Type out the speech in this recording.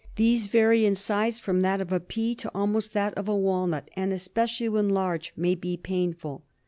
These vary in size from that of a pea to almost that of a walnut, and, especially when large, may be painful.